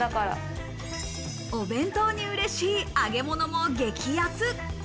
お弁当にうれしい揚げ物も激安。